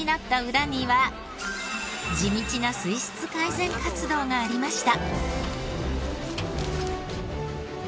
地道な水質改善活動がありました。